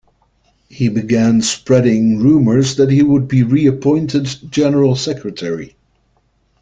He began spreading rumors that he would be reappointed General Secretary.